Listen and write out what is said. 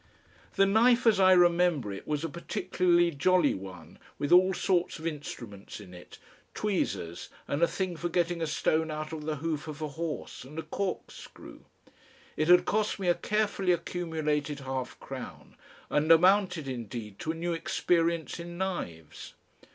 The knife as I remember it was a particularly jolly one with all sorts of instruments in it, tweezers and a thing for getting a stone out of the hoof of a horse, and a corkscrew; it had cost me a carefully accumulated half crown, and amounted indeed to a new experience in knives.